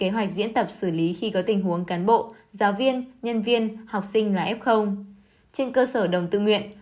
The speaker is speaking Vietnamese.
hãy học hai buổi một ngày